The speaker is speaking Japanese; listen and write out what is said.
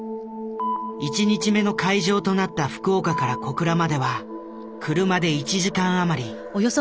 １日目の会場となった福岡から小倉までは車で１時間余り。